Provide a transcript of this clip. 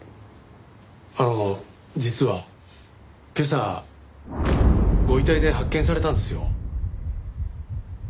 あの実は今朝ご遺体で発見されたんですよ。